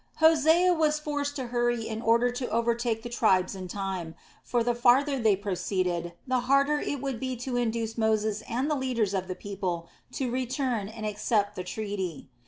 Hosea was forced to hurry in order to overtake the tribes in time; for the farther they proceeded, the harder it would be to induce Moses and the leaders of the people to return and accept the treaty.